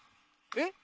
えっ。